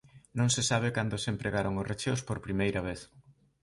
Non se sabe cando se empregaron os recheos por primeira vez.